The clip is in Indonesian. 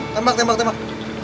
tembak tembak tembak